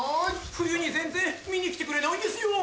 冬に全然見に来てくれないんですよ。